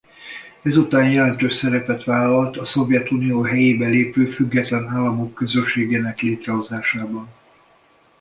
Ezután jelentős szerepet vállalt a Szovjetunió helyébe lépő Független Államok Közösségének létrehozásában.